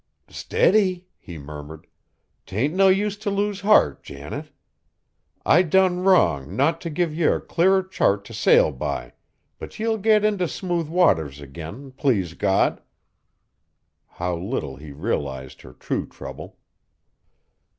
"Steady," he murmured, "'tain't no use t' lose heart, Janet. I done wrong not t' give ye a clearer chart t' sail by, but ye'll get int' smooth waters agin, please God!" How little he realized her true trouble!